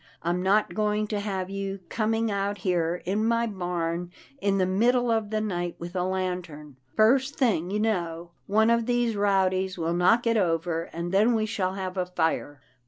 I'm not going to have you coming out here in my barn in the middle of the night with a lantern. First thing you know, one of those PERLETTA'S PETS 227 rowdies will knock it over, and then we shall have a fire."